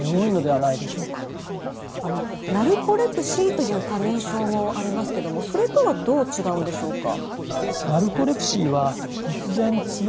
ナルコレプシーという過眠症もありますけどもそれとはどう違うんでしょうか？